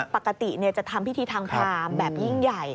ปกติจะทำพิธีทางพรามแบบยิ่งใหญ่